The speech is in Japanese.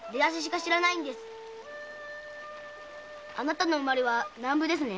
あなたの生まれは南部ですね？